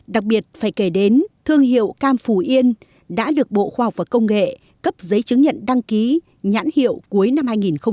đặc biệt phải kể đến thương hiệu cam phù yên đã được bộ khoa học và công nghệ cấp giấy chứng nhận đăng ký nhãn hiệu cuối năm hai nghìn một mươi bảy